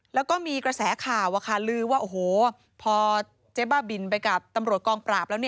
แล้วก็มีกระแสข่าวลืยว่าพอเจ๊บ้าบิ่นไปกับกองปราบแล้ว